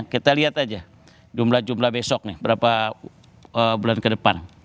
kita lihat aja jumlah jumlah besok nih berapa bulan ke depan